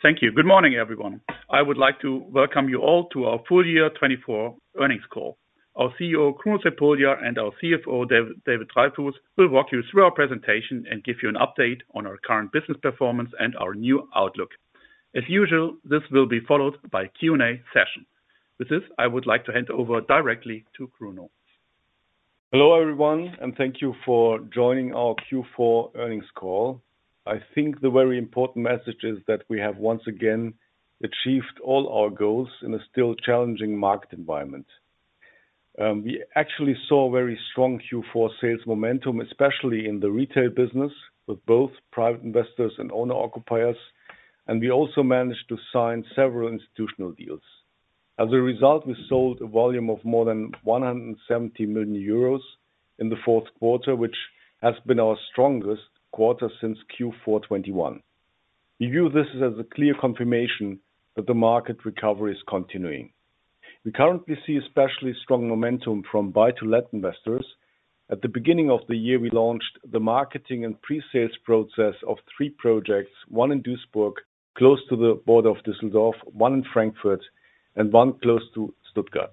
Thank you. Good morning, everyone. I would like to welcome you all to our full year 2024 earnings call. Our CEO, Kruno Crepulja, and our CFO, David Dreyfus, will walk you through our presentation and give you an update on our current business performance and our new outlook. As usual, this will be followed by a Q&A session. With this, I would like to hand over directly to Kruno. Hello, everyone, and thank you for joining our Q4 earnings call. I think the very important message is that we have, once again, achieved all our goals in a still challenging market environment. We actually saw very strong Q4 sales momentum, especially in the retail business with both private investors and owner-occupiers, and we also managed to sign several institutional deals. As a result, we sold a volume of more than 170 million euros in the fourth quarter, which has been our strongest quarter since Q4 2021. We view this as a clear confirmation that the market recovery is continuing. We currently see especially strong momentum from buy-to-let investors. At the beginning of the year, we launched the marketing and presales process of three projects: one in Duisburg, close to the border of Düsseldorf, one in Frankfurt, and one close to Stuttgart.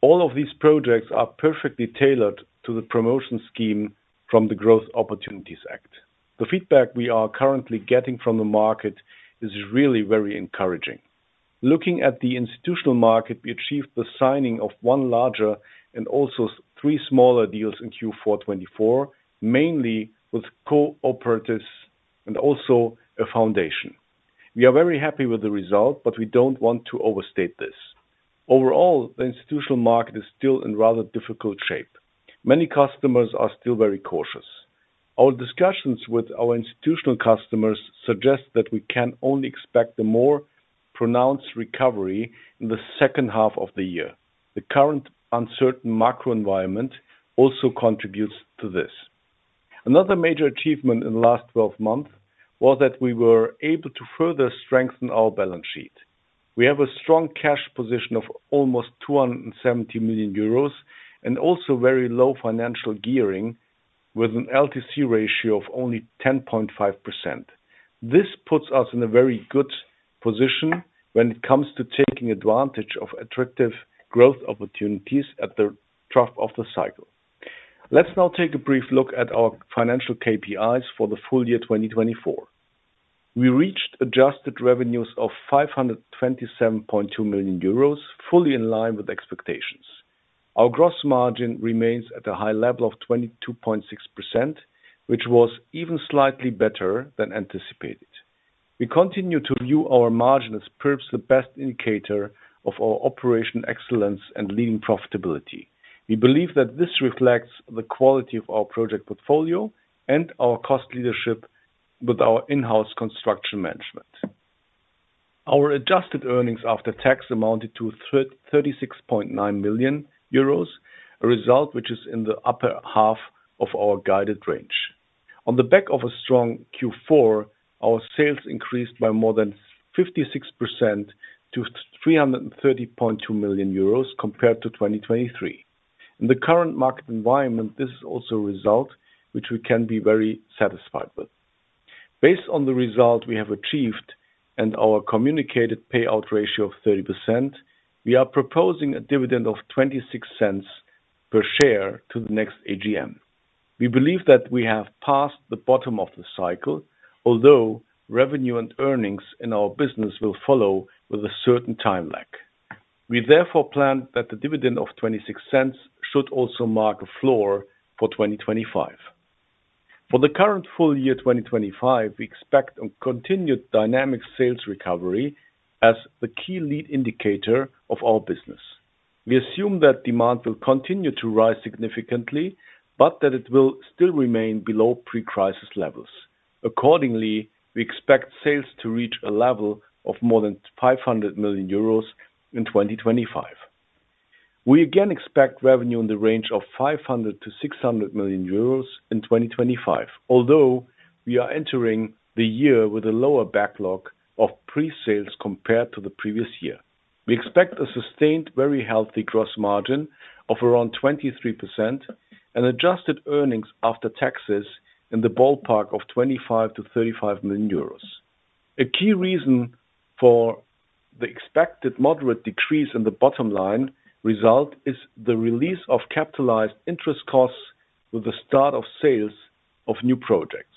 All of these projects are perfectly tailored to the promotion scheme from the Growth Opportunities Act. The feedback we are currently getting from the market is really very encouraging. Looking at the institutional market, we achieved the signing of one larger and also three smaller deals in Q4 2024, mainly with cooperatives and also a foundation. We are very happy with the result, but we don't want to overstate this. Overall, the institutional market is still in rather difficult shape. Many customers are still very cautious. Our discussions with our institutional customers suggest that we can only expect a more pronounced recovery in the second half of the year. The current uncertain macro environment also contributes to this. Another major achievement in the last 12 months was that we were able to further strengthen our balance sheet. We have a strong cash position of almost 270 million euros and also very low financial gearing with an LTC ratio of only 10.5%. This puts us in a very good position when it comes to taking advantage of attractive growth opportunities at the trough of the cycle. Let's now take a brief look at our financial KPIs for the full year 2024. We reached adjusted revenues of 527.2 million euros, fully in line with expectations. Our gross margin remains at a high level of 22.6%, which was even slightly better than anticipated. We continue to view our margin as perhaps the best indicator of our operational excellence and leading profitability. We believe that this reflects the quality of our project portfolio and our cost leadership with our in-house construction management. Our adjusted earnings after tax amounted to 36.9 million euros, a result which is in the upper half of our guided range. On the back of a strong Q4, our sales increased by more than 56% to 330.2 million euros compared to 2023. In the current market environment, this is also a result which we can be very satisfied with. Based on the result we have achieved and our communicated payout ratio of 30%, we are proposing a dividend of 0.26 per share to the next AGM. We believe that we have passed the bottom of the cycle, although revenue and earnings in our business will follow with a certain time lag. We therefore plan that the dividend of 0.26 should also mark a floor for 2025. For the current full year 2025, we expect a continued dynamic sales recovery as the key lead indicator of our business. We assume that demand will continue to rise significantly, but that it will still remain below pre-crisis levels. Accordingly, we expect sales to reach a level of more than 500 million euros in 2025. We again expect revenue in the range of 500 million-600 million euros in 2025, although we are entering the year with a lower backlog of presales compared to the previous year. We expect a sustained, very healthy gross margin of around 23% and adjusted earnings after taxes in the ballpark of 25 million-35 million euros. A key reason for the expected moderate decrease in the bottom line result is the release of capitalized interest costs with the start of sales of new projects.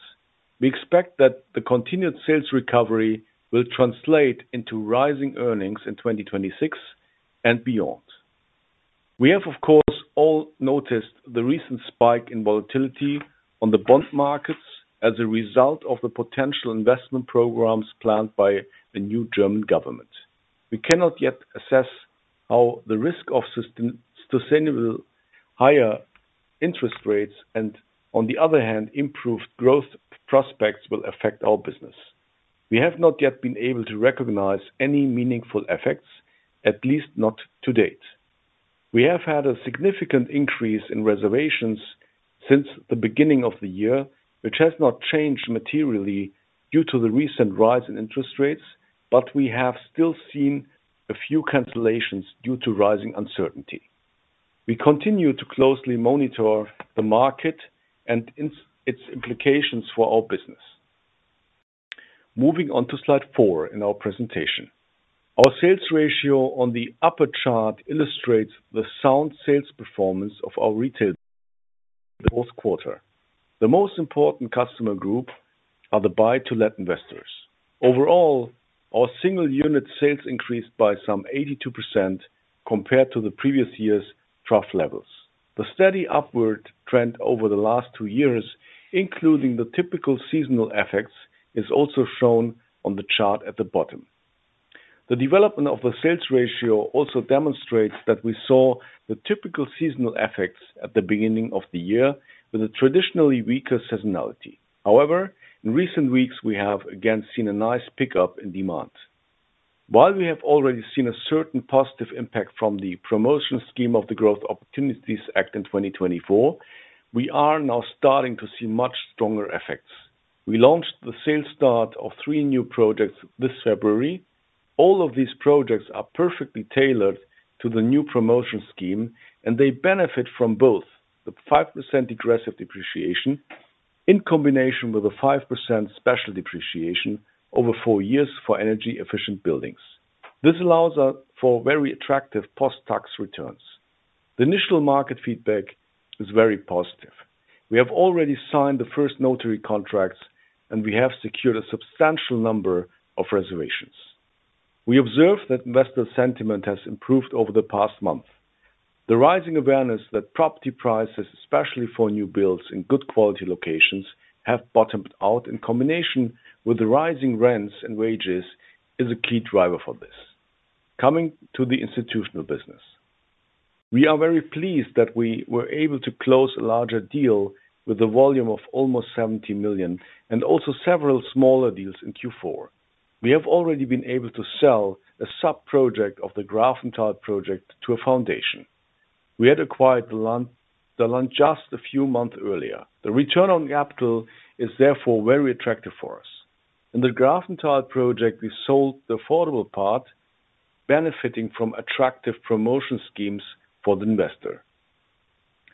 We expect that the continued sales recovery will translate into rising earnings in 2026 and beyond. We have, of course, all noticed the recent spike in volatility on the bond markets as a result of the potential investment programs planned by the new German government. We cannot yet assess how the risk of sustainable higher interest rates and, on the other hand, improved growth prospects will affect our business. We have not yet been able to recognize any meaningful effects, at least not to date. We have had a significant increase in reservations since the beginning of the year, which has not changed materially due to the recent rise in interest rates, but we have still seen a few cancellations due to rising uncertainty. We continue to closely monitor the market and its implications for our business. Moving on to slide four in our presentation, our sales ratio on the upper chart illustrates the sound sales performance of our retail business in the fourth quarter. The most important customer group are the buy-to-let investors. Overall, our single unit sales increased by some 82% compared to the previous year's trough levels. The steady upward trend over the last two years, including the typical seasonal effects, is also shown on the chart at the bottom. The development of the sales ratio also demonstrates that we saw the typical seasonal effects at the beginning of the year with a traditionally weaker seasonality. However, in recent weeks, we have again seen a nice pickup in demand. While we have already seen a certain positive impact from the promotion scheme of the Growth Opportunities Act in 2024, we are now starting to see much stronger effects. We launched the sales start of three new projects this February. All of these projects are perfectly tailored to the new promotion scheme, and they benefit from both the 5% degressive depreciation in combination with a 5% special depreciation over four years for energy-efficient buildings. This allows us for very attractive post-tax returns. The initial market feedback is very positive. We have already signed the first notary contracts, and we have secured a substantial number of reservations. We observe that investor sentiment has improved over the past month. The rising awareness that property prices, especially for new builds in good quality locations, have bottomed out in combination with the rising rents and wages, is a key driver for this. Coming to the institutional business, we are very pleased that we were able to close a larger deal with a volume of almost 70 million and also several smaller deals in Q4. We have already been able to sell a sub-project of the Grafental project to a foundation. We had acquired the land just a few months earlier. The return on capital is therefore very attractive for us. In the Grafental project, we sold the affordable part, benefiting from attractive promotion schemes for the investor.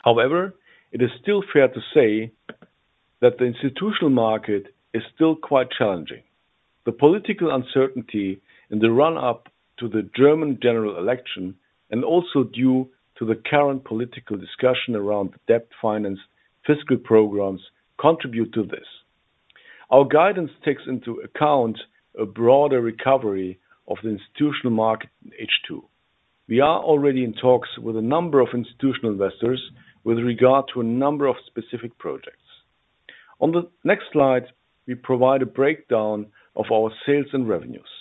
However, it is still fair to say that the institutional market is still quite challenging. The political uncertainty in the run-up to the German general election and also due to the current political discussion around debt finance fiscal programs contribute to this. Our guidance takes into account a broader recovery of the institutional market in H2. We are already in talks with a number of institutional investors with regard to a number of specific projects. On the next slide, we provide a breakdown of our sales and revenues.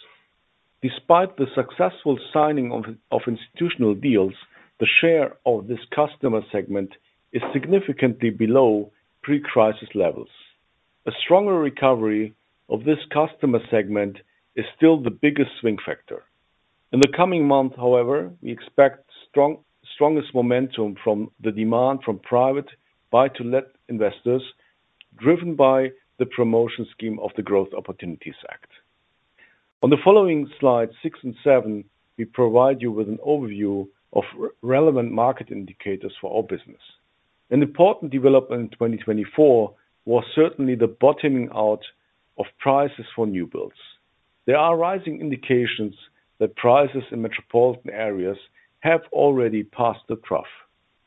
Despite the successful signing of institutional deals, the share of this customer segment is significantly below pre-crisis levels. A stronger recovery of this customer segment is still the biggest swing factor. In the coming month, however, we expect strongest momentum from the demand from private buy-to-let investors driven by the promotion scheme of the Growth Opportunities Act. On the following slides, six and seven, we provide you with an overview of relevant market indicators for our business. An important development in 2024 was certainly the bottoming out of prices for new builds. There are rising indications that prices in metropolitan areas have already passed the trough.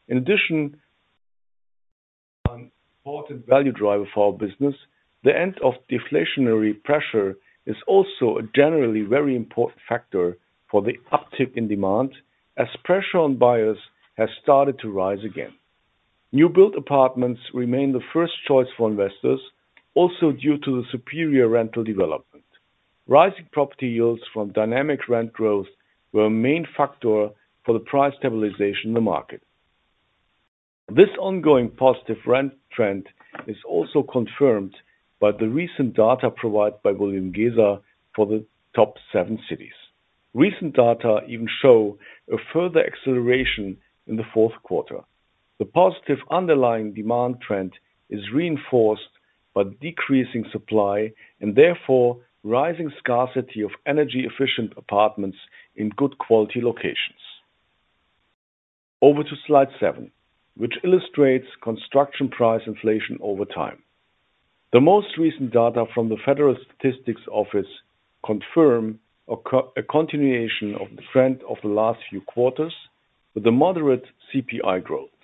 In addition, an important value driver for our business, the end of deflationary pressure is also a generally very important factor for the uptick in demand as pressure on buyers has started to rise again. New-built apartments remain the first choice for investors, also due to the superior rental development. Rising property yields from dynamic rent growth were a main factor for the price stabilization in the market. This ongoing positive rent trend is also confirmed by the recent data provided by Bulwiengesa for the top seven cities. Recent data even show a further acceleration in the fourth quarter. The positive underlying demand trend is reinforced by decreasing supply and therefore rising scarcity of energy-efficient apartments in good quality locations. Over to slide seven, which illustrates construction price inflation over time. The most recent data from the Federal Statistical Office confirm a continuation of the trend of the last few quarters with a moderate CPI growth.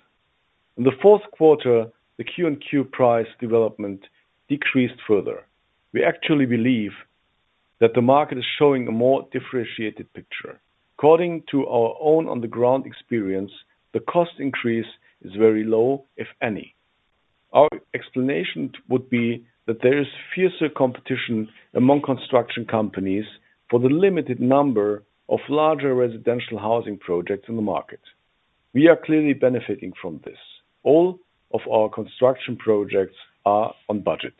In the fourth quarter, the quarter-on-quarter price development decreased further. We actually believe that the market is showing a more differentiated picture. According to our own on-the-ground experience, the cost increase is very low, if any. Our explanation would be that there is fiercer competition among construction companies for the limited number of larger residential housing projects in the market. We are clearly benefiting from this. All of our construction projects are on budget.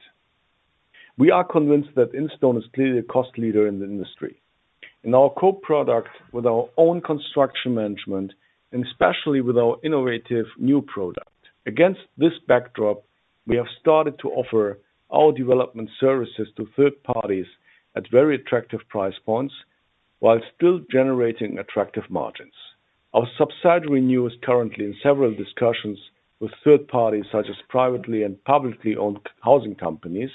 We are convinced that Instone is clearly a cost leader in the industry. In our core product with our own construction management, and especially with our innovative nyoo product. Against this backdrop, we have started to offer our development services to third parties at very attractive price points while still generating attractive margins. Our subsidiary nyoo is currently in several discussions with third parties such as privately and publicly owned housing companies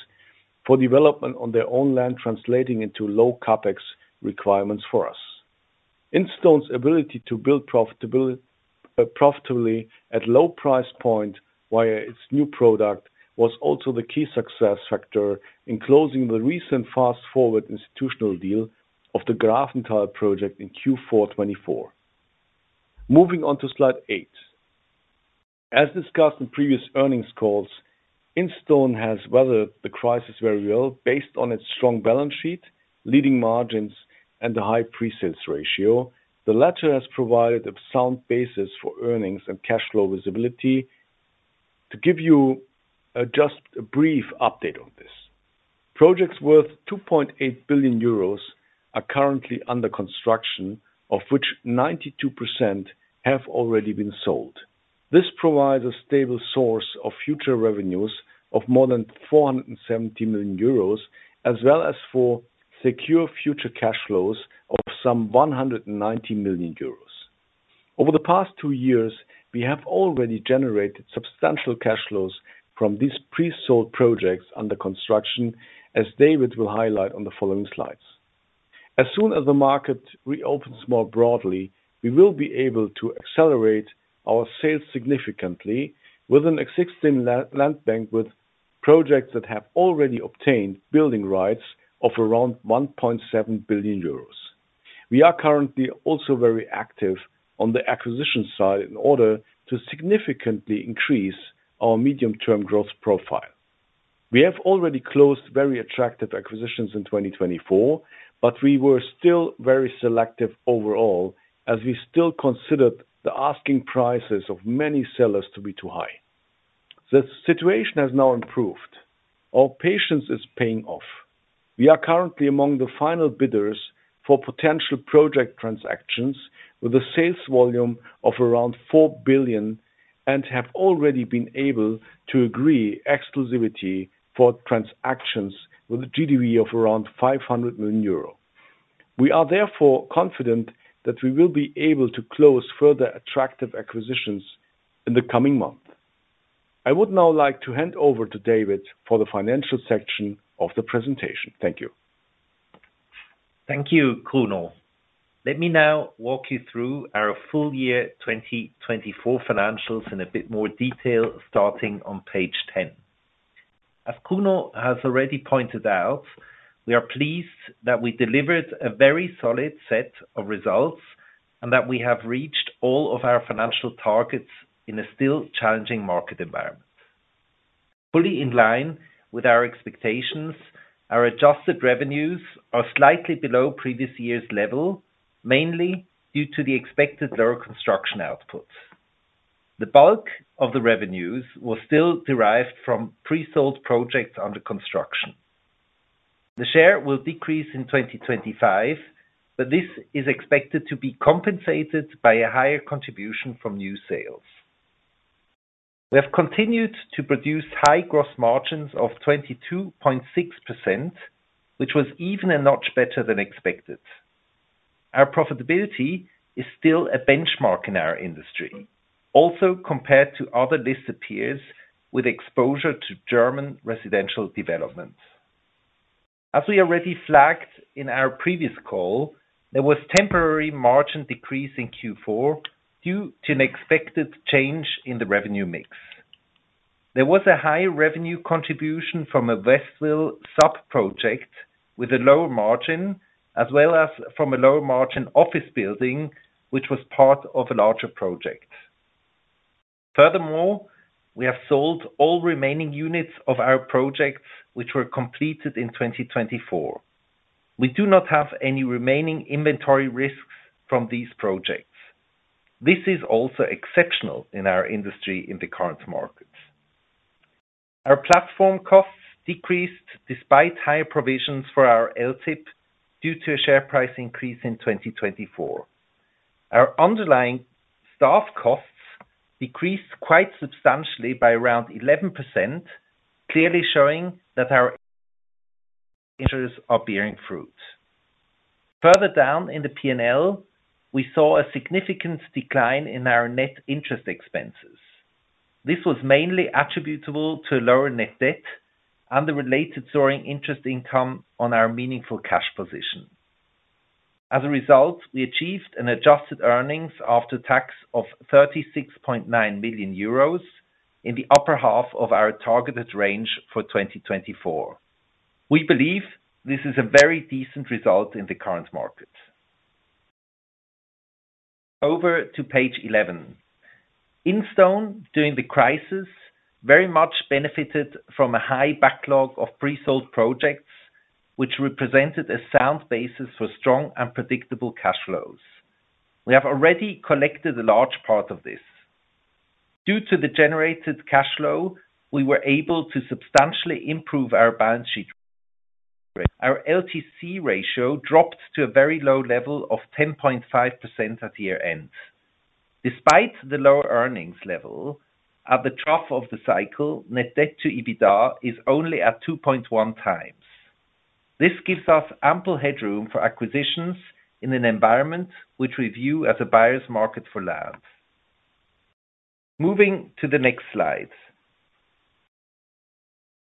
for development on their own land, translating into low CapEx requirements for us. Instone's ability to build profitably at low price points via its nyoo product was also the key success factor in closing the recent forward institutional deal of the Grafental project in Q4/2024. Moving on to slide eight, as discussed in previous earnings calls, Instone has weathered the crisis very well based on its strong balance sheet, leading margins, and the high presales ratio. The latter has provided a sound basis for earnings and cash flow visibility. To give you just a brief update on this, projects worth 2.8 billion euros are currently under construction, of which 92% have already been sold. This provides a stable source of future revenues of more than 470 million euros, as well as for secure future cash flows of some 190 million euros. Over the past two years, we have already generated substantial cash flows from these pre-sold projects under construction, as David will highlight on the following slides. As soon as the market reopens more broadly, we will be able to accelerate our sales significantly with an existing land bank with projects that have already obtained building rights of around 1.7 billion euros. We are currently also very active on the acquisition side in order to significantly increase our medium-term growth profile. We have already closed very attractive acquisitions in 2024, but we were still very selective overall as we still considered the asking prices of many sellers to be too high. The situation has now improved. Our patience is paying off. We are currently among the final bidders for potential project transactions with a sales volume of around 4 billion and have already been able to agree exclusivity for transactions with a GDV of around 500 million euro. We are therefore confident that we will be able to close further attractive acquisitions in the coming month. I would now like to hand over to David for the financial section of the presentation. Thank you. Thank you, Kruno. Let me now walk you through our full year 2024 financials in a bit more detail, starting on page 10. As Kruno has already pointed out, we are pleased that we delivered a very solid set of results and that we have reached all of our financial targets in a still challenging market environment. Fully in line with our expectations, our adjusted revenues are slightly below previous year's level, mainly due to the expected lower construction outputs. The bulk of the revenues was still derived from pre-sold projects under construction. The share will decrease in 2025, but this is expected to be compensated by a higher contribution from new sales. We have continued to produce high gross margins of 22.6%, which was even a notch better than expected. Our profitability is still a benchmark in our industry, also compared to other listed peers with exposure to German residential development. As we already flagged in our previous call, there was temporary margin decrease in Q4 due to an expected change in the revenue mix. There was a high revenue contribution from a Westville sub-project with a lower margin, as well as from a lower margin office building, which was part of a larger project. Furthermore, we have sold all remaining units of our projects, which were completed in 2024. We do not have any remaining inventory risks from these projects. This is also exceptional in our industry in the current markets. Our platform costs decreased despite higher provisions for our LTIP due to a share price increase in 2024. Our underlying staff costs decreased quite substantially by around 11%, clearly showing that our interests are bearing fruit. Further down in the P&L, we saw a significant decline in our net interest expenses. This was mainly attributable to a lower net debt and the related soaring interest income on our meaningful cash position. As a result, we achieved an adjusted earnings after tax of 36.9 million euros in the upper half of our targeted range for 2024. We believe this is a very decent result in the current market. Over to page 11. Instone, during the crisis, very much benefited from a high backlog of pre-sold projects, which represented a sound basis for strong and predictable cash flows. We have already collected a large part of this. Due to the generated cash flow, we were able to substantially improve our balance sheet. Our LTC ratio dropped to a very low level of 10.5% at year-end. Despite the lower earnings level, at the trough of the cycle, net debt to EBITDA is only at 2.1 times. This gives us ample headroom for acquisitions in an environment which we view as a buyer's market for land. Moving to the next slide.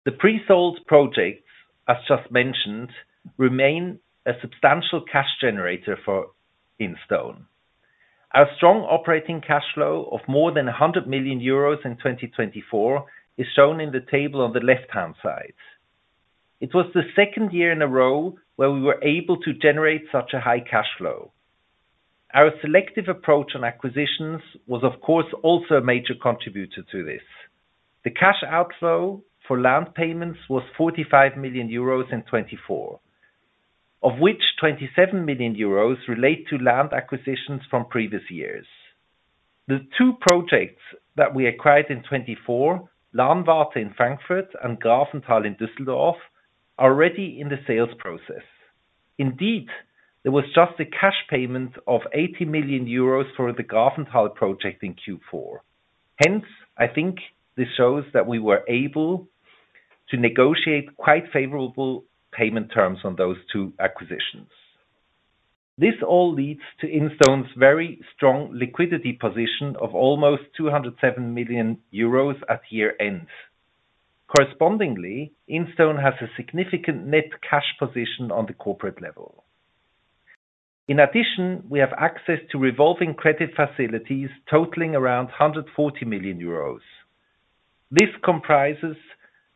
The pre-sold projects, as just mentioned, remain a substantial cash generator for Instone. Our strong operating cash flow of more than 100 million euros in 2024 is shown in the table on the left-hand side. It was the second year in a row where we were able to generate such a high cash flow. Our selective approach on acquisitions was, of course, also a major contributor to this. The cash outflow for land payments was 45 million euros in 2024, of which 27 million euros relate to land acquisitions from previous years. The two projects that we acquired in 2024, Lahnwarte in Frankfurt and Grafental in Düsseldorf, are already in the sales process. Indeed, there was just a cash payment of 80 million euros for the Grafental project in Q4. Hence, I think this shows that we were able to negotiate quite favorable payment terms on those two acquisitions. This all leads to Instone's very strong liquidity position of almost 207 million euros at year-end. Correspondingly, Instone has a significant net cash position on the corporate level. In addition, we have access to revolving credit facilities totaling around 140 million euros. This comprises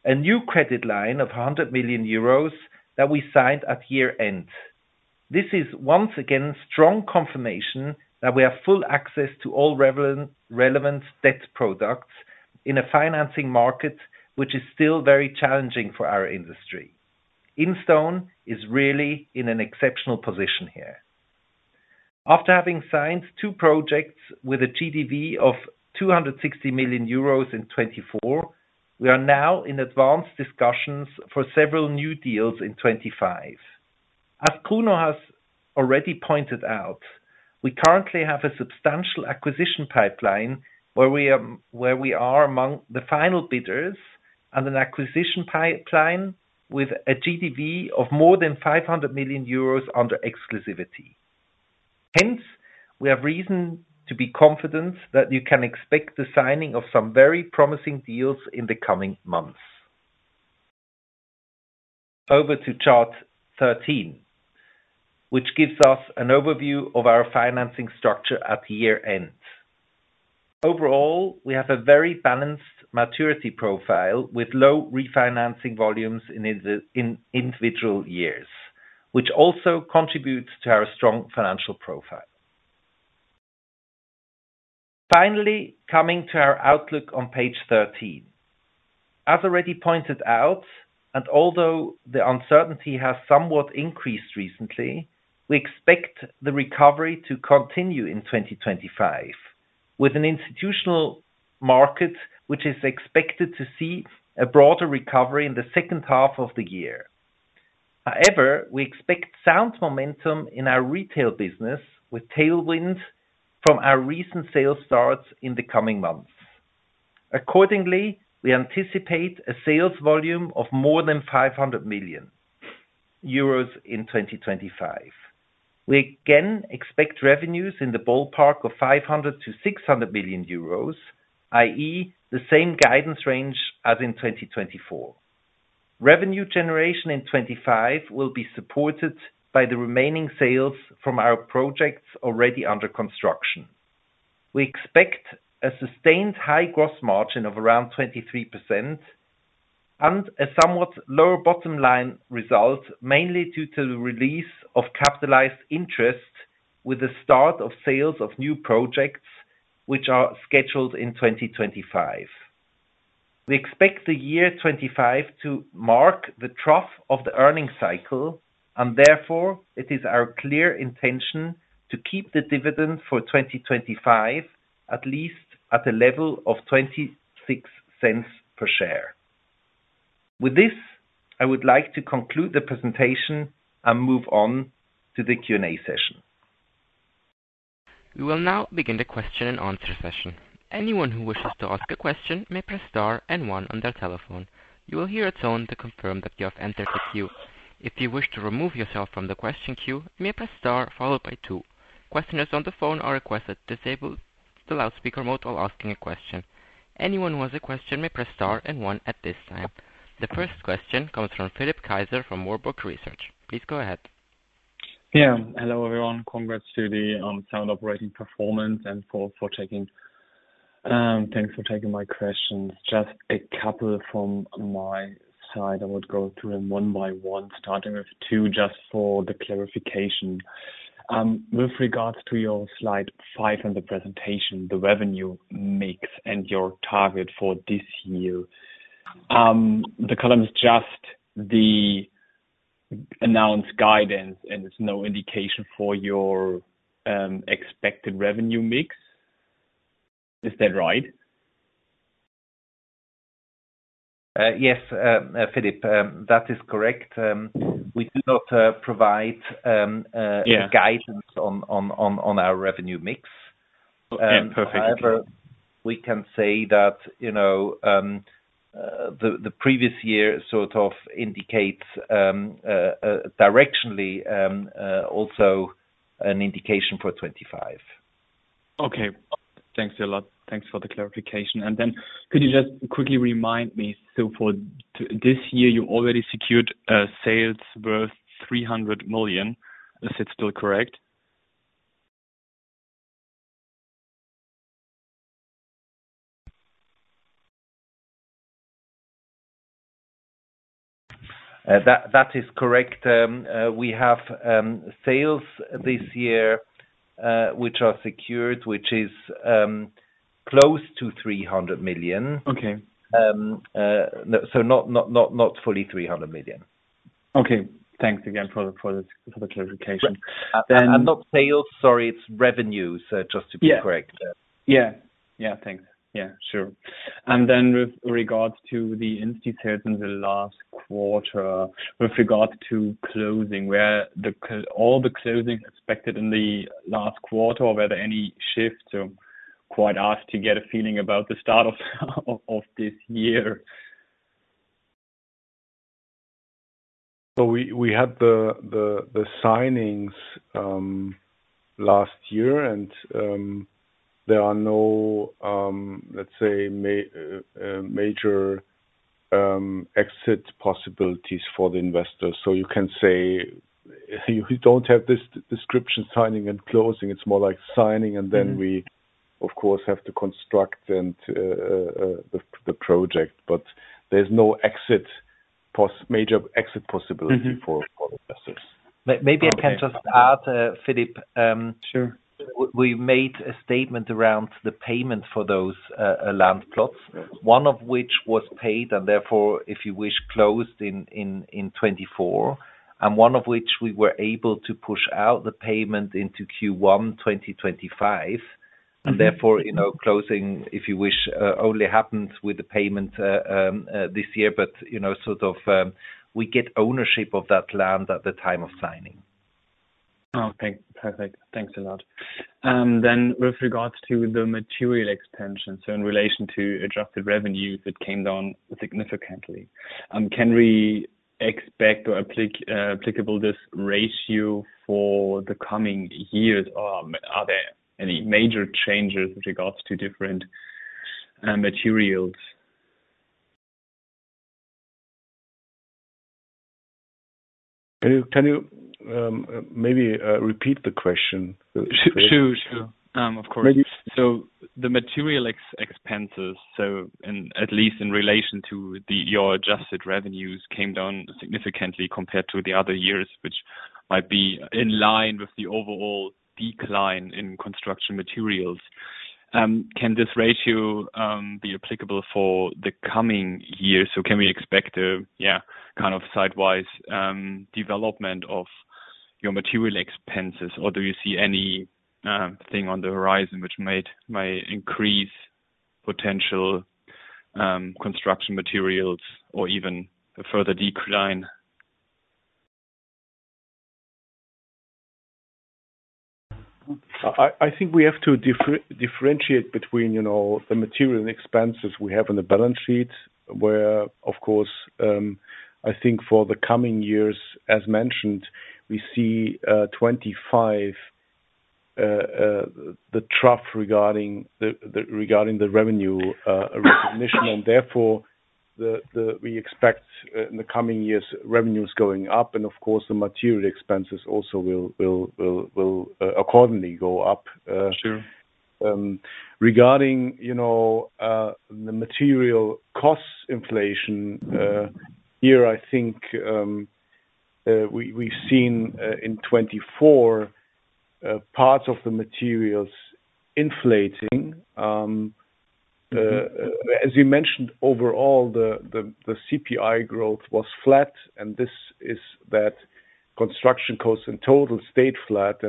a new credit line of 100 million euros that we signed at year-end. This is once again strong confirmation that we have full access to all relevant debt products in a financing market which is still very challenging for our industry. Instone is really in an exceptional position here. After having signed two projects with a GDV of 260 million euros in 2024, we are now in advanced discussions for several new deals in 2025. As Kruno has already pointed out, we currently have a substantial acquisition pipeline where we are among the final bidders and an acquisition pipeline with a GDV of more than 500 million euros under exclusivity. Hence, we have reason to be confident that you can expect the signing of some very promising deals in the coming months. Over to chart 13, which gives us an overview of our financing structure at year-end. Overall, we have a very balanced maturity profile with low refinancing volumes in individual years, which also contributes to our strong financial profile. Finally, coming to our outlook on page 13. As already pointed out, and although the uncertainty has somewhat increased recently, we expect the recovery to continue in 2025 with an institutional market which is expected to see a broader recovery in the second half of the year. However, we expect sound momentum in our retail business with tailwind from our recent sales starts in the coming months. Accordingly, we anticipate a sales volume of more than 500 million euros in 2025. We again expect revenues in the ballpark of 500 million-600 million euros, i.e., the same guidance range as in 2024. Revenue generation in 2025 will be supported by the remaining sales from our projects already under construction. We expect a sustained high gross margin of around 23% and a somewhat lower bottom line result, mainly due to the release of capitalized interest with the start of sales of new projects which are scheduled in 2025. We expect the year 2025 to mark the trough of the earnings cycle, and therefore, it is our clear intention to keep the dividend for 2025 at least at a level of 0.26 per share. With this, I would like to conclude the presentation and move on to the Q&A session. We will now begin the question and answer session. Anyone who wishes to ask a question may press star and one on their telephone. You will hear a tone to confirm that you have entered the queue. If you wish to remove yourself from the question queue, may press star followed by two. Questioners on the phone are requested to disable the loudspeaker mode while asking a question. Anyone who has a question may press star and one at this time. The first question comes from Philipp Kaiser from Warburg Research. Please go ahead. Yeah. Hello, everyone. Congrats to the sound operating performance and for uncertain. Thanks for taking my questions. Just a couple from my side. I would go through them one by one, starting with 2 just for the clarification. With regards to your slide five in the presentation, the revenue mix and your target for this year, the column is just the announced guidance, and it's no indication for your expected revenue mix. Is that right? Yes, Philipp, that is correct. We do not provide guidance on our revenue mix. However, we can say that the previous year sort of indicates directionally also an indication for 2025. Okay. Thanks a lot. Thanks for the clarification. And then could you just quickly remind me, so for this year, you already secured sales worth 300 million. Is it still correct? That is correct. We have sales this year which are secured, which is close to 300 million. So not fully 300 million. Okay. Thanks again for the clarification.(IVR) Not sales, sorry. It's revenue, just to be correct. Yeah. Yeah. Yeah. Thanks. Yeah. Sure. Then with regards to the Instone sales in the last quarter, with regards to closing, were all the closings expected in the last quarter, or were there any shifts? So, to get a feeling about the start of this year. So we had the signings last year, and there are no, let's say, major exit possibilities for the investors. So you can say you don't have this distinction signing and closing. It's more like signing, and then we, of course, have to construct the project. But there's no major exit possibility for investors. Maybe I can just add, Philipp. Sure. We made a statement around the payment for those land plots, one of which was paid and therefore, if you wish, closed in 2024, and one of which we were able to push out the payment into Q1 2025. And therefore, closing, if you wish, only happened with the payment this year, but sort of we get ownership of that land at the time of signing. Oh, perfect. Thanks a lot. Then with regards to the material expenses, so in relation to adjusted revenues, it came down significantly. Can we expect or applicable this ratio for the coming years, or are there any major changes with regards to different materials? Can you maybe repeat the question? Sure. Sure. Of course. So the material expenses, at least in relation to your adjusted revenues, came down significantly compared to the other years, which might be in line with the overall decline in construction materials. Can this ratio be applicable for the coming years? So can we expect a kind of sideways development of your material expenses, or do you see anything on the horizon which might increase potential construction materials or even a further decline? I think we have to differentiate between the material and expenses we have in the balance sheet where, of course, I think for the coming years, as mentioned, we see 2025, the trough regarding the revenue recognition. And therefore, we expect in the coming years, revenues going up, and of course, the material expenses also will accordingly go up. Regarding the material costs inflation, here, I think we've seen in 2024 parts of the materials inflating. As you mentioned, overall, the CPI growth was flat, and this means that construction costs in total stayed flat.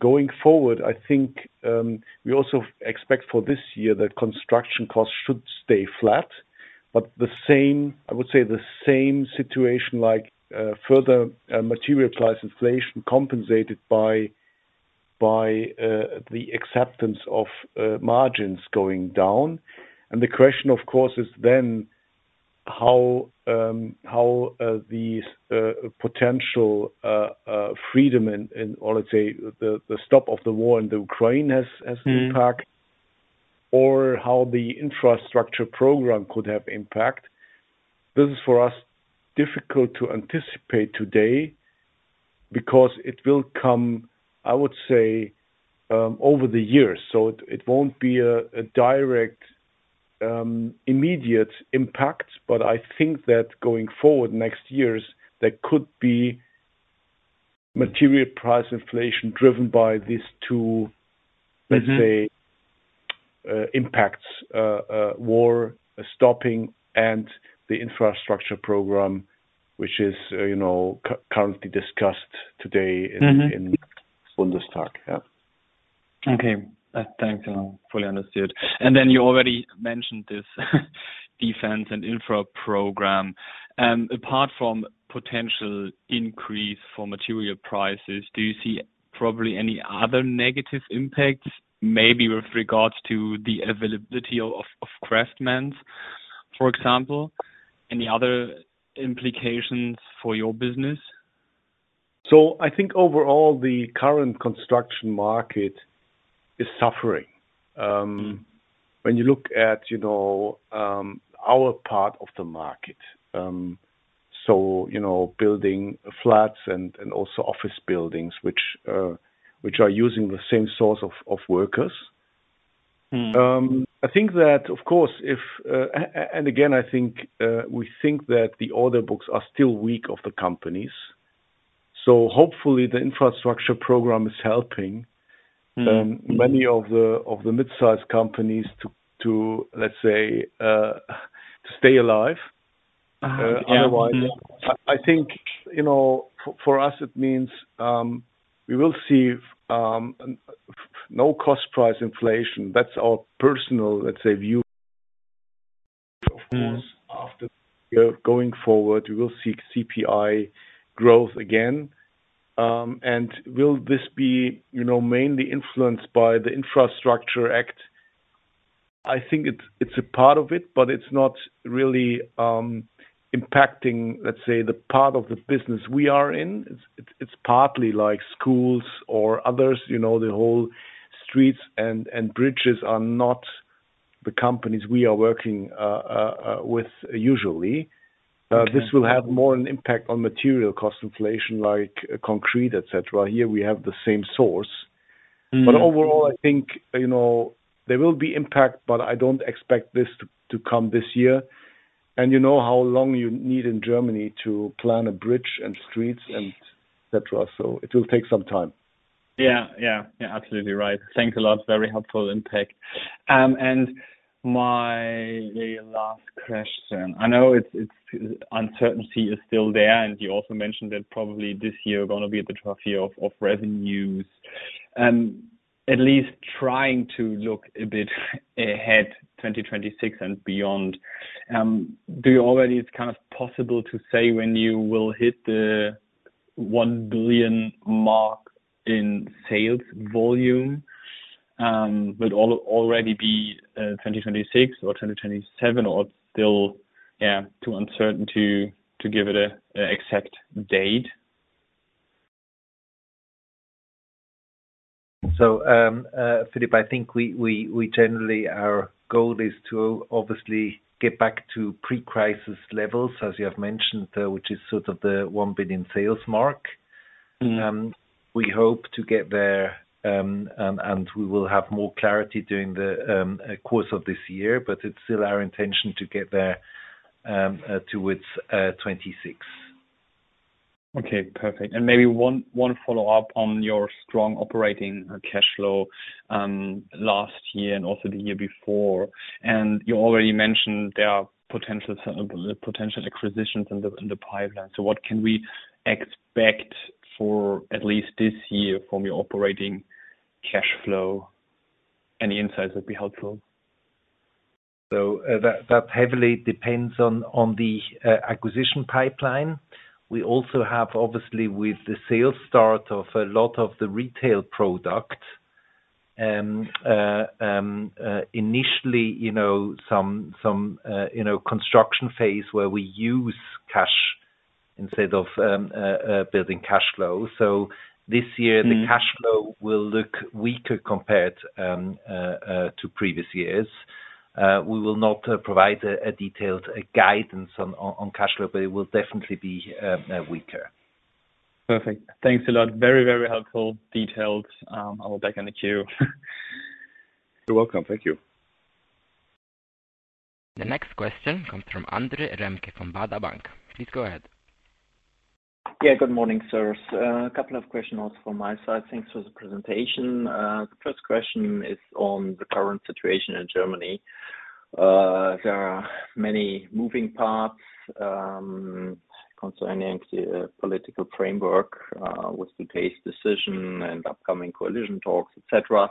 Going forward, I think we also expect for this year that construction costs should stay flat, but I would say the same situation like further material price inflation compensated by the acceptance of margins going down. The question, of course, is then how the potential freedom in, or let's say, the stop of the war in Ukraine has an impact, or how the infrastructure program could have impact. This is for us difficult to anticipate today because it will come, I would say, over the years. So it won't be a direct, immediate impact, but I think that going forward, next years, there could be material price inflation driven by these two, let's say, impacts: war stopping and the infrastructure program, which is currently discussed today in Bundestag. Yeah. Okay. Thanks. I fully understood.(IVR) And then you already mentioned this defense and infra program. Apart from potential increase for material prices, do you see probably any other negative impacts, maybe with regards to the availability of craftsmen, for example? Any other implications for your business? So I think overall, the current construction market is suffering. When you look at our part of the market, so building flats and also office buildings, which are using the same source of workers, I think that, of course, if and again, I think we think that the order books are still weak of the companies. Hopefully, the infrastructure program is helping many of the midsize companies to, let's say, stay alive. Otherwise, I think for us, it means we will see no cost price inflation. That's our personal, let's say, view. Of course, going forward, we will see CPI growth again. Will this be mainly influenced by the Infrastructure Act? I think it's a part of it, but it's not really impacting, let's say, the part of the business we are in. It's partly like schools or others. The whole streets and bridges are not the companies we are working with usually. This will have more an impact on material cost inflation, like concrete, etc. Here, we have the same source. Overall, I think there will be impact, but I don't expect this to come this year. You know how long you need in Germany to plan a bridge and streets, etc. So it will take some time. Yeah. Yeah. Yeah. Absolutely right. Thanks a lot. Very helpful input. My last question. I know uncertainty is still there, and you also mentioned that probably this year you're going to be at the trough of revenues, at least trying to look a bit ahead, 2026 and beyond. Is it already possible to say when you will hit the 1 billion mark in sales volume? Will it already be 2026 or 2027, or still too uncertain to give it an exact date? So, Philipp, I think generally, our goal is to obviously get back to pre-crisis levels, as you have mentioned, which is sort of the 1 billion sales mark. We hope to get there, and we will have more clarity during the course of this year. But it's still our intention to get there towards 2026. Okay. Perfect. And maybe one follow-up on your strong operating cash flow last year and also the year before. And you already mentioned there are potential acquisitions in the pipeline. So what can we expect for at least this year from your operating cash flow? Any insights that would be helpful? So that heavily depends on the acquisition pipeline. We also have, obviously, with the sales start of a lot of the retail product, initially, some construction phase where we use cash instead of building cash flow. So this year, the cash flow will look weaker compared to previous years. We will not provide a detailed guidance on cash flow, but it will definitely be weaker. Perfect. Thanks a lot. Very, very helpful, detailed. I will be back in the queue. You're welcome. Thank you. The next question comes from Andre Remke from Baader Bank. Please go ahead. Yeah. Good morning, sirs. A couple of questions also from my side. Thanks for the presentation. The first question is on the current situation in Germany. There are many moving parts concerning the political framework with today's decision and upcoming coalition talks, etc.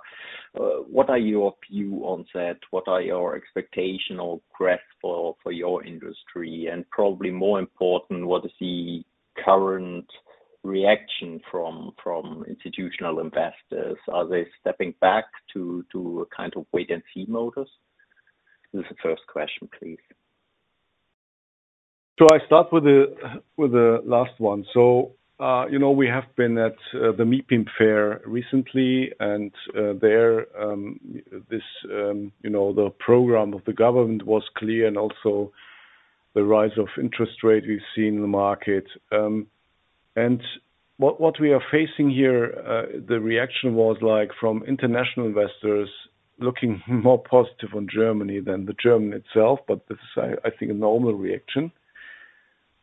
What are your views on that? What are your expectations or graphs for your industry? And probably more important, what is the current reaction from institutional investors? Are they stepping back to a kind of wait-and-see modus? This is the first question, please. Should I start with the last one? So we have been at the MIPIM fair recently, and there, the program of the government was clear, and also the rise of interest rate we've seen in the market. And what we are facing here, the reaction was from international investors looking more positive on Germany than the Germans themselves. But this is, I think, a normal reaction.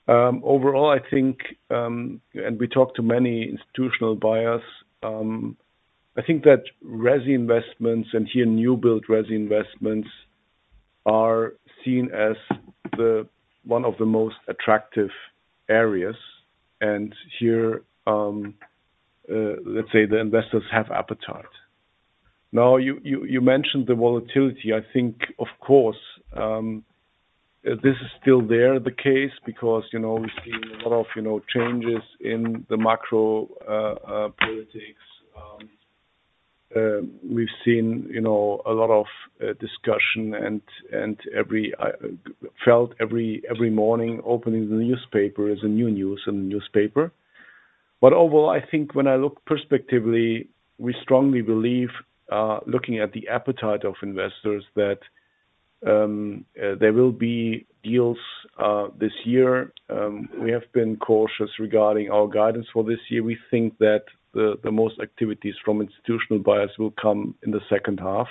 Overall, I think, and we talked to many institutional buyers, I think that residential investments and here, new-built residential investments are seen as one of the most attractive areas. And here, let's say, the investors have appetite. Now, you mentioned the volatility. I think, of course, this is still there the case because we've seen a lot of changes in the macro politics. We've seen a lot of discussion, and I felt every morning opening the newspaper is a new news in the newspaper. Overall, I think when I look prospectively, we strongly believe, looking at the appetite of investors, that there will be deals this year. We have been cautious regarding our guidance for this year. We think that the most activities from institutional buyers will come in the second half.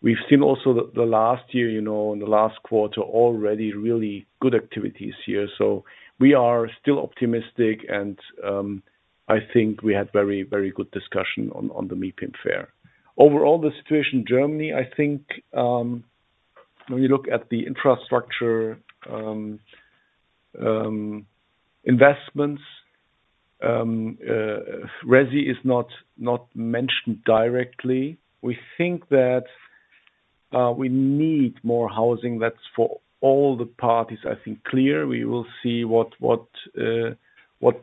We've seen also the last year and the last quarter already really good activities here. So we are still optimistic, and I think we had very, very good discussion on the MIPIM fair. Overall, the situation in Germany, I think, when you look at the infrastructure investments, residential is not mentioned directly. We think that we need more housing. That's for all the parties, I think, clear. We will see what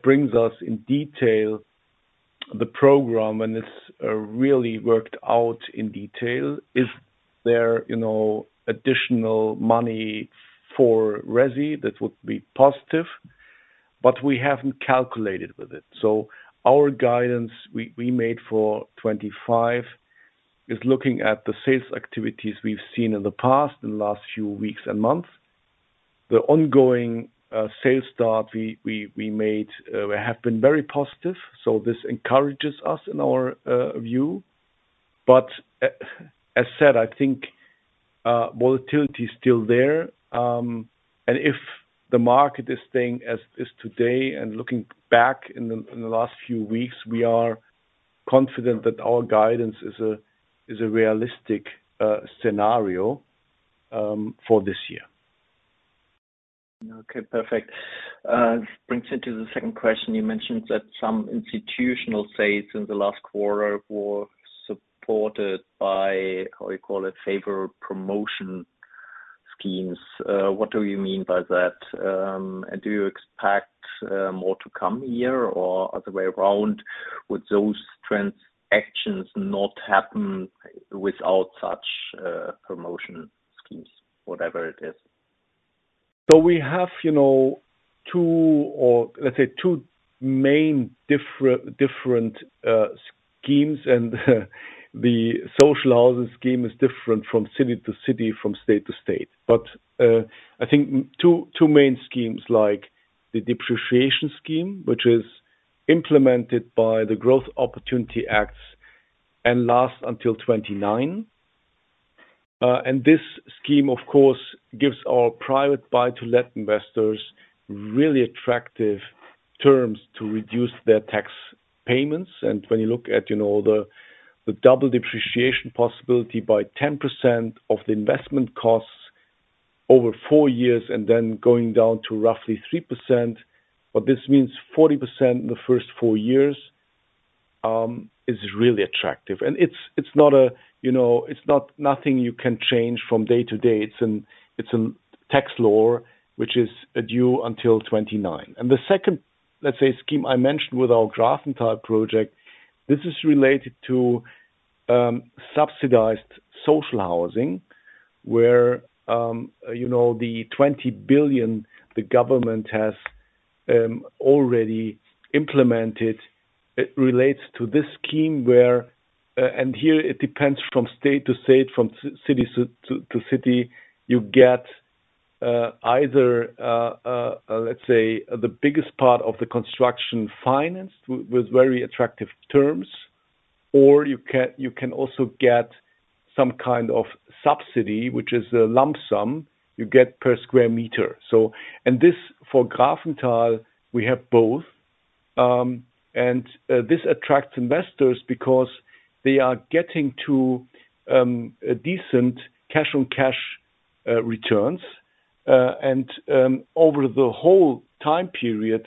brings us in detail. The program, when it's really worked out in detail, is there additional money for residential that would be positive, but we haven't calculated with it. So our guidance we made for 2025 is looking at the sales activities we've seen in the past in the last few weeks and months. The ongoing sales start we have been very positive. So this encourages us in our view. But as said, I think volatility is still there. And if the market is staying as it is today and looking back in the last few weeks, we are confident that our guidance is a realistic scenario for this year. Okay. Perfect. This brings me to the second question. You mentioned that some institutional sales in the last quarter were supported by, how do you call it, favorable promotion schemes. What do you mean by that? And do you expect more to come here, or other way around, would those transactions not happen without such promotion schemes, whatever it is? So we have, let's say, two main different schemes, and the social housing scheme is different from city to city, from state to state. But I think two main schemes, like the depreciation scheme, which is implemented by the Growth Opportunities Act and lasts until 2029. And this scheme, of course, gives our private buy-to-let investors really attractive terms to reduce their tax payments. And when you look at the double depreciation possibility by 10% of the investment costs over four years and then going down to roughly 3%, what this means, 40% in the first four years, is really attractive. And it's not nothing you can change from day to day. It's a tax law, which is due until 2029. The second, let's say, scheme I mentioned with our Grafental project, this is related to subsidized social housing, where the 20 billion the government has already implemented. It relates to this scheme where and here, it depends from state to state, from city to city. You get either, let's say, the biggest part of the construction financed with very attractive terms, or you can also get some kind of subsidy, which is a lump sum. You get per square meter. And this for Grafental, we have both. And this attracts investors because they are getting to decent cash-on-cash returns. And over the whole time period,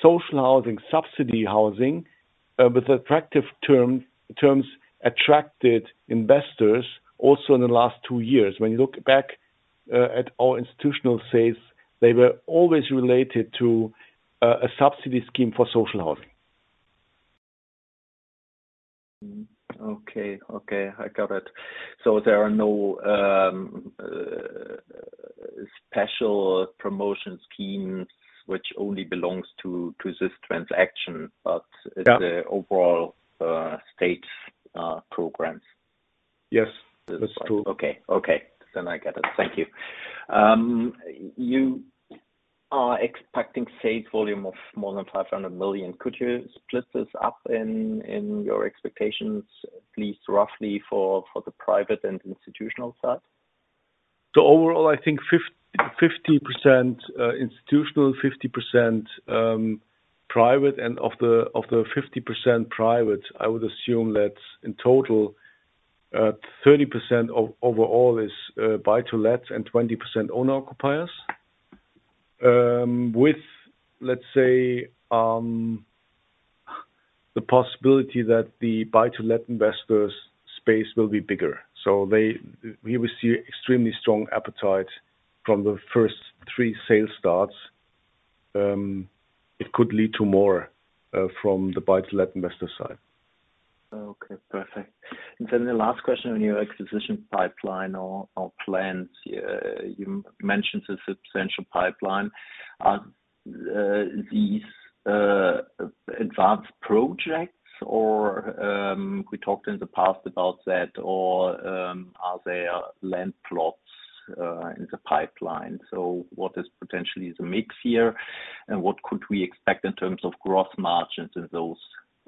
social housing, subsidy housing, with attractive terms, attracted investors also in the last two years. When you look back at our institutional sales, they were always related to a subsidy scheme for social housing. Okay. Okay. I got it. So there are no special promotion schemes, which only belongs to this transaction, but it's the overall state programs. Yes. That's true. Okay. Okay. Then I get it. Thank you. You are expecting sales volume of more than 500 million. Could you split this up in your expectations, at least roughly, for the private and institutional side? So overall, I think 50% institutional, 50% private, and of the 50% private, I would assume that in total, 30% overall is buy-to-lets and 20% owner-occupiers, with, let's say, the possibility that the buy-to-let investors' space will be bigger. So here, we see extremely strong appetite from the first 3 sales starts. It could lead to more from the buy-to-let investor side. Okay. Perfect. And then the last question, on your acquisition pipeline or plans, you mentioned a substantial pipeline. Are these advanced projects, or we talked in the past about that, or are there land plots in the pipeline? So what is potentially the mix here, and what could we expect in terms of gross margins in those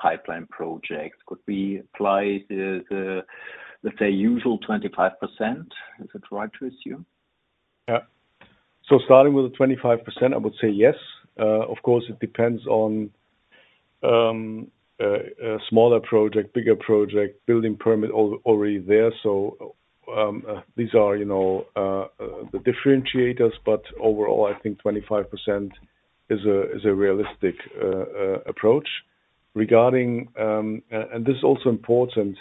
pipeline projects? Could we apply, let's say, usual 25%? Is it right to assume? Yeah. So starting with the 25%, I would say yes. Of course, it depends on smaller project, bigger project, building permit already there. So these are the differentiators. But overall, I think 25% is a realistic approach. And this is also important.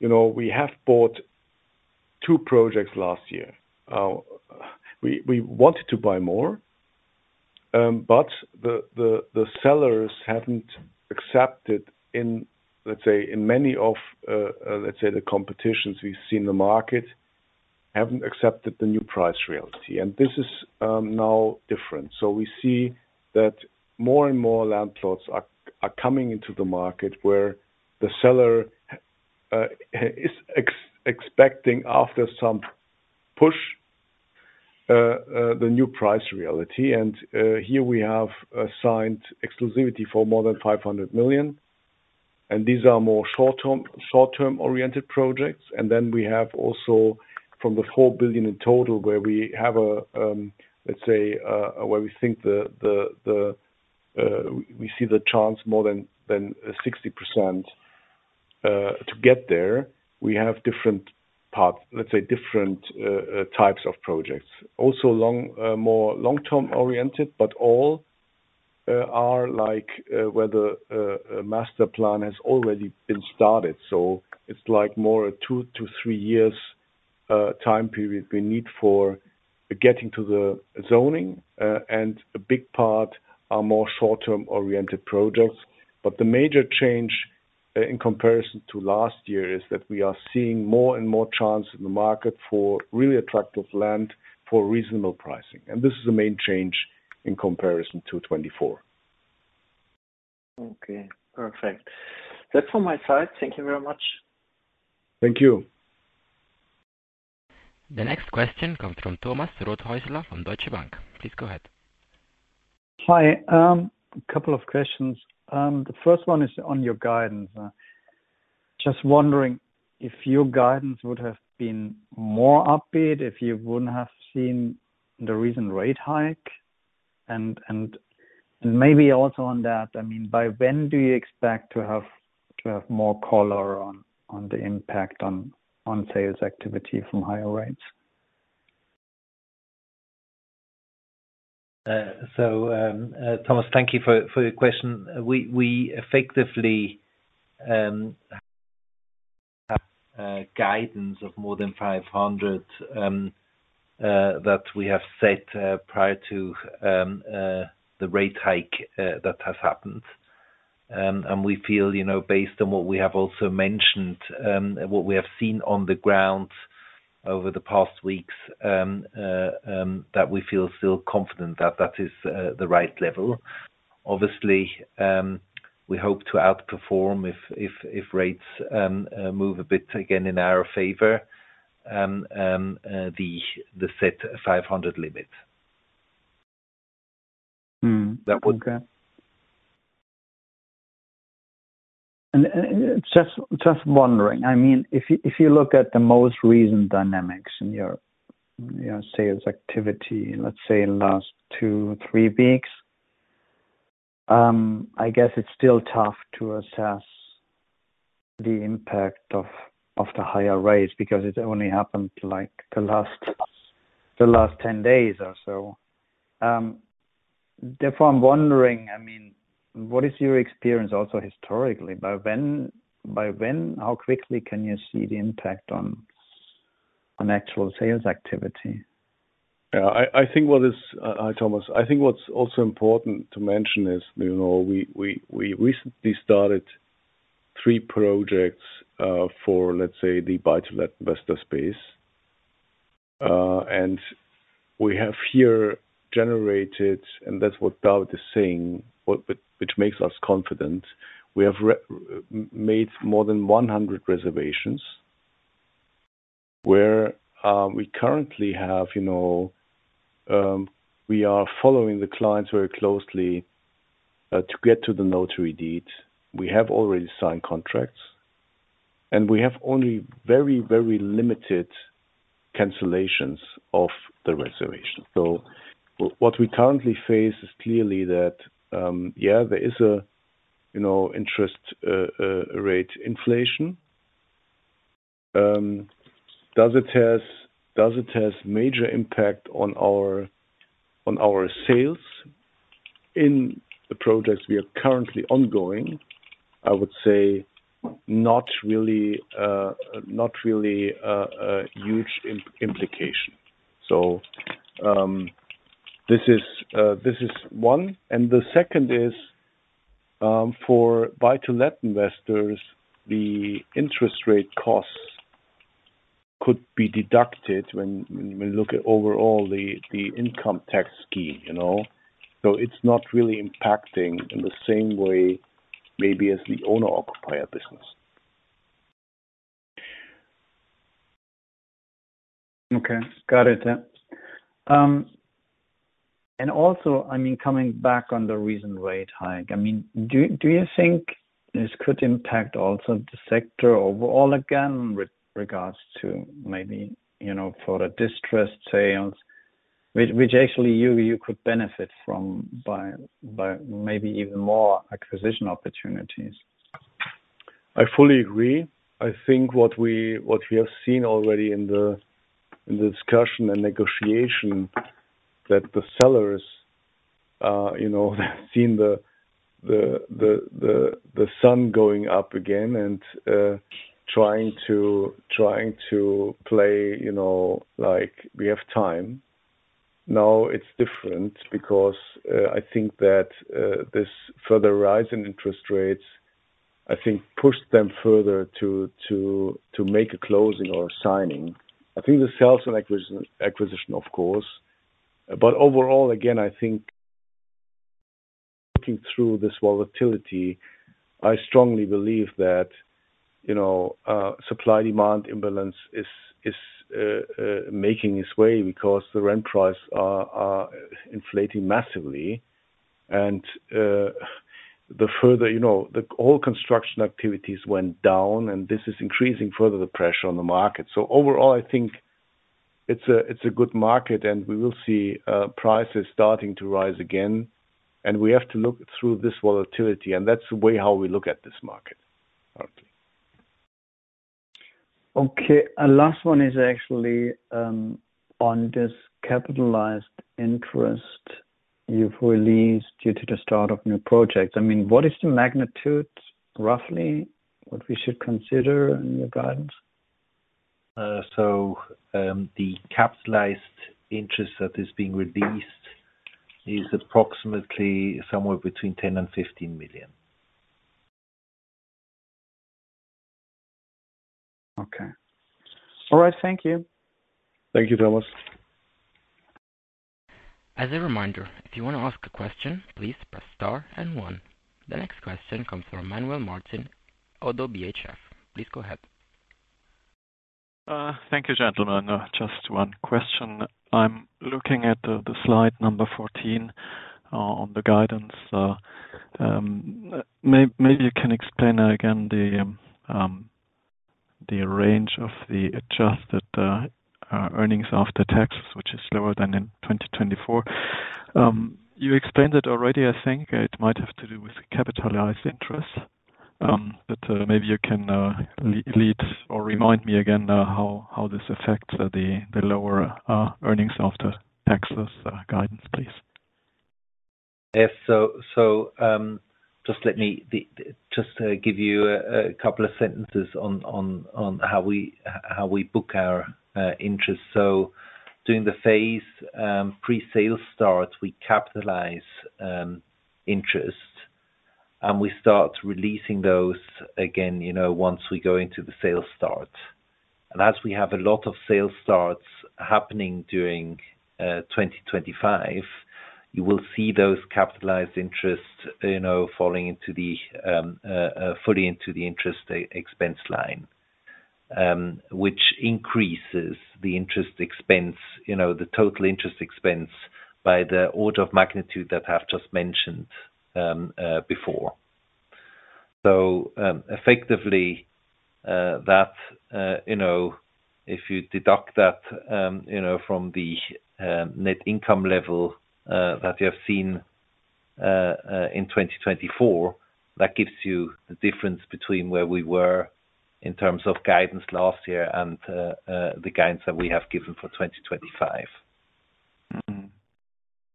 We have bought 2 projects last year. We wanted to buy more, but the sellers haven't accepted, let's say, in many of, let's say, the competitions we've seen in the market, haven't accepted the new price reality. And this is now different. So we see that more and more land plots are coming into the market where the seller is expecting, after some push, the new price reality. And here, we have signed exclusivity for more than 500 million. And these are more short-term-oriented projects. And then we have also, from the 4 billion in total, where we have a, let's say, where we think we see the chance more than 60% to get there, we have different parts, let's say, different types of projects, also more long-term-oriented, but all are where the master plan has already been started. So it's more a 2-3 years time period we need for getting to the zoning. And a big part are more short-term-oriented projects. But the major change in comparison to last year is that we are seeing more and more chance in the market for really attractive land for reasonable pricing. This is a main change in comparison to 2024. Okay. Perfect. That's from my side. Thank you very much. Thank you. The next question comes from Thomas Rothäusler from Deutsche Bank AG. Please go ahead. Hi. A couple of questions. The first one is on your guidance. Just wondering if your guidance would have been more upbeat, if you wouldn't have seen the recent rate hike. And maybe also on that, I mean, by when do you expect to have more color on the impact on sales activity from higher rates? So, Thomas, thank you for your question. We effectively have guidance of more than 500 that we have set prior to the rate hike that has happened. And we feel, based on what we have also mentioned, what we have seen on the ground over the past weeks, that we feel still confident that that is the right level. Obviously, we hope to outperform if rates move a bit again in our favor, the set 500 limit. Okay. And just wondering, I mean, if you look at the most recent dynamics in your sales activity, let's say, in the last 2-3 weeks, I guess it's still tough to assess the impact of the higher rates because it only happened the last 10 days or so. Therefore, I'm wondering, I mean, what is your experience also historically? By when, how quickly can you see the impact on actual sales activity? Yeah. Thomas, I think what's also important to mention is we recently started 3 projects for, let's say, the buy-to-let investor space. We have here generated, and that's what David is saying, which makes us confident. We have made more than 100 reservations where we currently have, we are following the clients very closely to get to the notary deed. We have already signed contracts, and we have only very, very limited cancellations of the reservation. So what we currently face is clearly that, yeah, there is an interest rate inflation. Does it have major impact on our sales in the projects we are currently ongoing? I would say not really a huge implication. So this is one. The second is, for buy-to-let investors, the interest rate costs could be deducted when you look at overall the income tax scheme. So it's not really impacting in the same way maybe as the owner-occupier business. Okay. Got it. Yeah. Also, I mean, coming back on the recent rate hike, I mean, do you think this could impact also the sector overall again with regards to maybe for the distressed sales, which actually you could benefit from by maybe even more acquisition opportunities? I fully agree. I think what we have seen already in the discussion and negotiation, that the sellers, they've seen the sun going up again and trying to play like, "We have time." Now, it's different because I think that this further rise in interest rates, I think, pushed them further to make a closing or signing. I think the sales and acquisition, of course. But overall, again, I think looking through this volatility, I strongly believe that supply-demand imbalance is making its way because the rent prices are inflating massively. And the further the whole construction activities went down, and this is increasing further the pressure on the market. So overall, I think it's a good market, and we will see prices starting to rise again. And we have to look through this volatility. And that's the way how we look at this market, currently. Okay. And last one is actually on this capitalized interest you've released due to the start of new projects. I mean, what is the magnitude, roughly, what we should consider in your guidance? So the capitalized interest that is being released is approximately somewhere between EUR 10-15 million. Okay. All right. Thank you. Thank you, Thomas. As a reminder, if you want to ask a question, please press star and one. The next question comes from Manuel Martin, ODDO BHF. Please go ahead. Thank you, gentlemen. Just one question. I'm looking at the slide number 14 on the guidance. Maybe you can explain again the range of the adjusted earnings after taxes, which is lower than in 2024. You explained it already. I think it might have to do with capitalized interest. But maybe you can lead or remind me again how this affects the lower earnings after taxes. Guidance, please. Yes. So just let me just give you a couple of sentences on how we book our interest. So during the phase pre-sale start, we capitalize interest, and we start releasing those again once we go into the sale start. As we have a lot of sale starts happening during 2025, you will see those capitalized interest falling fully into the interest expense line, which increases the total interest expense by the order of magnitude that I've just mentioned before. Effectively, if you deduct that from the net income level that you have seen in 2024, that gives you the difference between where we were in terms of guidance last year and the guidance that we have given for 2025.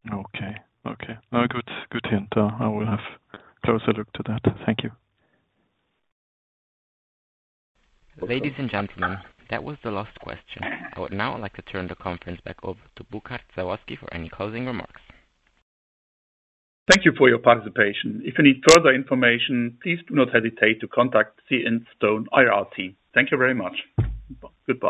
Okay. Okay. No, good hint. I will have a closer look to that. Thank you. Ladies and gentlemen, that was the last question. I would now like to turn the conference back over to Burkhard Sawazki for any closing remarks. Thank you for your participation. If you need further information, please do not hesitate to contact Instone IR team. Thank you very much. Goodbye.